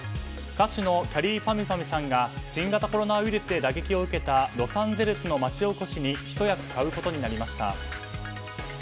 歌手のきゃりーぱみゅぱみゅさんが新型コロナウイルスで打撃を受けたロサンゼルスの町おこしにひと役買うことになりました。